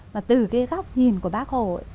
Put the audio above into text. mà từ cái góc nhìn của bác hồ ấy